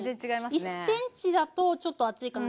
１ｃｍだとちょっと厚いかな。